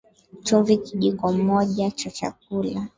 Chumvi Kijiko moja cha chakula